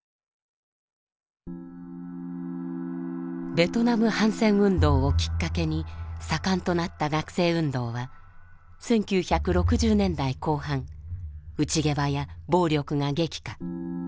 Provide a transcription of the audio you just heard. ベトナム反戦運動をきっかけに盛んとなった学生運動は１９６０年代後半内ゲバや暴力が激化。